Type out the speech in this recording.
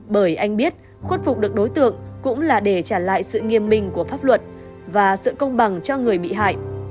bởi anh biết khuất phục được đối tượng cũng là để trả lại sự nghiêm minh của pháp luật và sự công bằng cho người bị hại